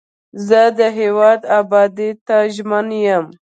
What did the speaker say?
زه د هیواد ابادۍ ته ژمن یم.